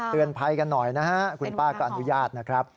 เตือนภัยกันหน่อยนะฮะคุณป้าก็อนุญาตนะครับ